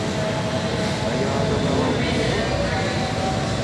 А я адабрала ў цябе волю?